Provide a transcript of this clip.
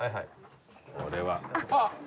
これは。